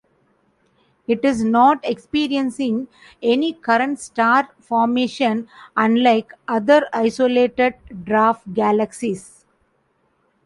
It is not experiencing any current star formation, unlike other isolated dwarf galaxies.